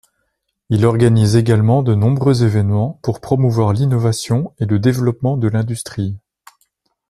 Il organise également de nombreux événements pour promouvoir l'innovation et le développement de l'industrie.